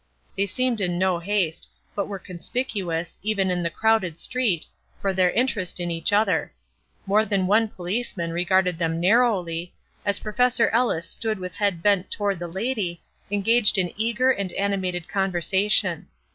They seemed in no haste, but were conspicuous, even in the crowded street, for their interest in each other. More than one policeman regarded them narrowly, as Professor Ellis stood with head bent toward the lady, engaged in eager and animated conversation.